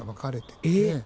えっ！